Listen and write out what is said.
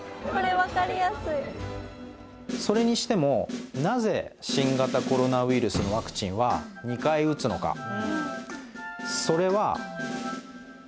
それにしてもなぜ新型コロナウイルスのワクチンは２回打つのか？